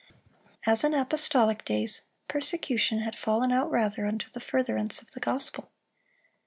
(329) As in apostolic days, persecution had "fallen out rather unto the furtherance of the gospel."